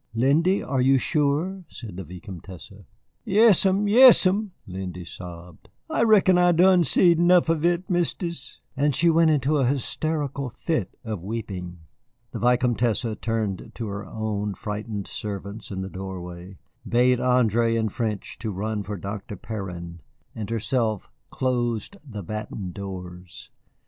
"Lindy, are you sure?" said the Vicomtesse. "Yass'm, yass'm," Lindy sobbed, "I reckon I'se done seed 'nuf of it, Mistis." And she went into a hysterical fit of weeping. The Vicomtesse turned to her own frightened servants in the doorway, bade André in French to run for Dr. Perrin, and herself closed the battened doors.